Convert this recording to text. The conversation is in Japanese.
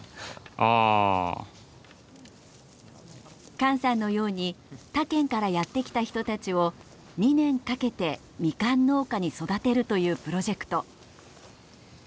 菅さんのように他県からやって来た人たちを２年かけてみかん農家に育てるというプロジェクト。